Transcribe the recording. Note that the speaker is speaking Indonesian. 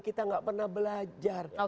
kita gak pernah belajar